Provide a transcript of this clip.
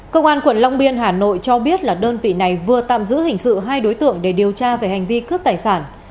công an quận long biên hà nội cho biết là đơn vị này vừa tạm giữ hình sự hai đối tượng để điều tra về hành vi cướp tài sản